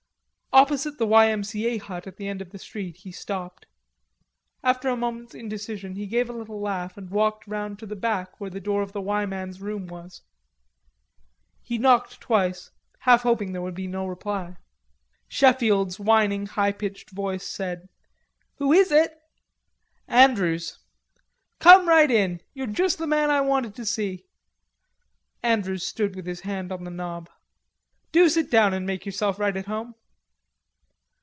Opposite the Y. M. C. A. hut at the end of the street he stopped. After a moment's indecision he gave a little laugh, and walked round to the back where the door of the "Y" man's room was. He knocked twice, half hoping there would be no reply. Sheffield's whining high pitched voice said: "Who is it?" "Andrews." "Come right in.... You're just the man I wanted to see." Andrews stood with his hand on the knob. "Do sit down and make yourself right at home."